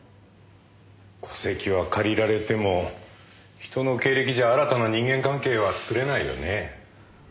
戸籍は借りられても人の経歴じゃ新たな人間関係は作れないよね。